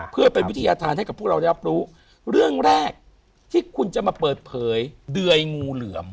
เพื่อเป็นวิทยาธารให้กับพวกเราได้รับรู้เรื่องแรกที่คุณจะมาเปิดเผยเดื่อยงูเหลือม